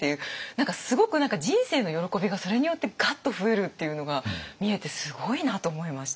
何かすごく人生の喜びがそれによってガッと増えるっていうのが見えてすごいなと思いました。